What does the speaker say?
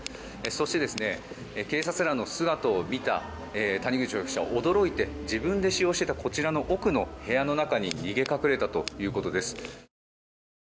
そして、警察らの姿を見た谷口容疑者は驚いて自分で使用していたこちらの奥の部屋に逃げ隠れたということです。